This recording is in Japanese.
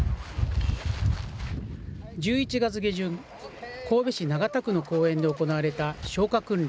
１１月下旬、神戸市長田区の公園で行われた消火訓練。